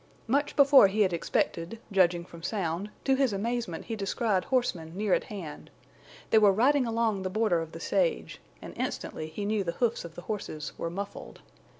Much before he had expected, judging from sound, to his amazement he descried horsemen near at hand. They were riding along the border of the sage, and instantly he knew the hoofs of the horses were muffled.